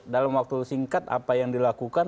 dalam waktu singkat apa yang dilakukan